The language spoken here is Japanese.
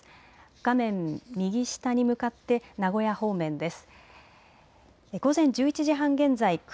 画面右下に向かって名古屋方面です。